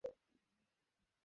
এটি বিভিন্ন উপায়ে ঘটতে পারে।